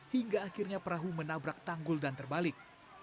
hingga akhirnya perahu menabrak tanggul dan terbalik